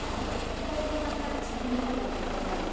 これでまた中火にかけて頂いて。